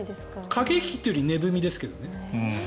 駆け引きというより値踏みですけどね。